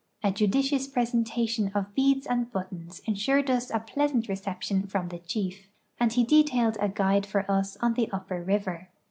A judicious presentation of heads and buttons insured us a pleasant reception from the chief, and he detailed a guide for us on the upper river.